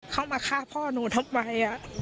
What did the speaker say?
เขามาฆ่าพ่อหนูทำไมอะ